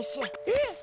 えっ？